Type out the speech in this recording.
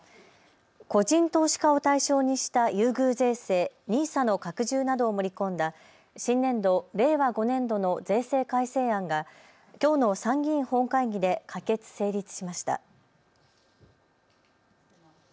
個人投資家を対象にした優遇税制ＮＩＳＡの拡充などを盛り込んだ新年度令和５年度の税制改正案がきょうの参議院本会議で可決・成立しました。